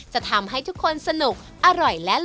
จะทำให้ทุกคนสนุกอร่อยและ